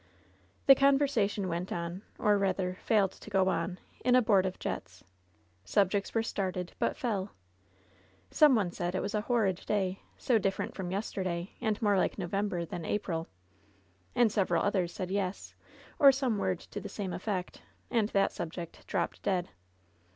The conversation went on, or, rather, failed to go on, in abortive jets. Subjects were started, but fell. Some one said it was a horrid day, so different from yesterday, and more like November than April. And several others said yes, or some word to the same effect, and that subject dropped dead.